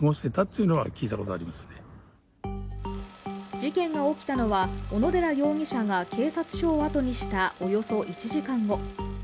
事件が起きたのは小野寺容疑者が警察署を後にしたおよそ１時間後。